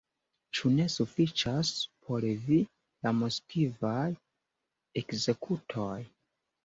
Ĉu ne sufiĉas por vi la moskvaj ekzekutoj?